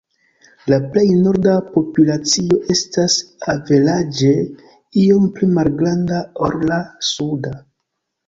La plej norda populacio estas averaĝe iom pli malgranda ol la suda.